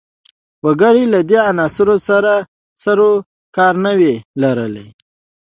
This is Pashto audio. وګړي له دې عنصر سر و کار نه وي لرلای